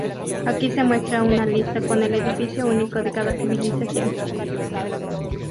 Aquí se muestra una lista con el edificio único de cada civilización.